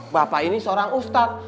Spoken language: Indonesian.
bapak ini seorang ustadz